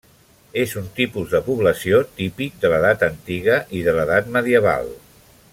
És un tipus de població típic de l'edat antiga i de l'edat medieval.